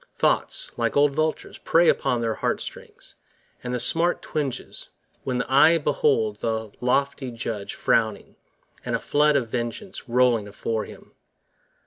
20 Thoughts, like old vultures, prey upon their heart strings, And the smart twinges, when the eye beholds the Lofty Judge frowning, and a flood of vengeance Rolling afore him.